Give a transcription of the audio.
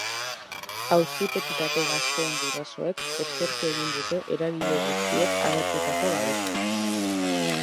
Auzipetutako gazteen gurasoek eskertu egin dute eragile guztiek agertutako babesa.